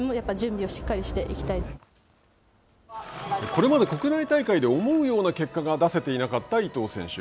これまで国内大会で思うような結果が出せていなかった伊藤選手。